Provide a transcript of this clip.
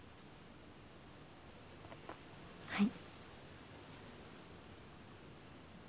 はい。